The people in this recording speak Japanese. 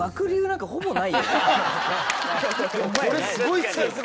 これすごいっすよね。